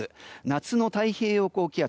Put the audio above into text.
夏の太平洋高気圧